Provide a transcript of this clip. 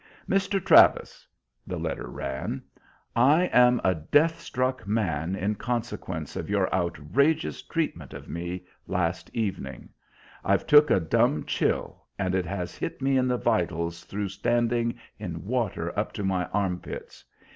Mr. Travis [the letter ran], I am a death struck man in consequence of your outrageous treatment of me last evening. I've took a dum chill, and it has hit me in the vitals through standing in water up to my armpits.